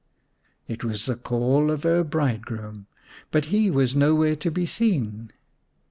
It was the call of her bridegroom, but he was nowhere to be seen.